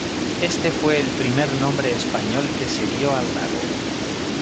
Este fue el primer nombre español que se dio al lago.